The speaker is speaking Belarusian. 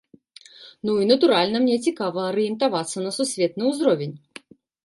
Ну, і натуральна мне цікава арыентавацца на сусветны ўзровень.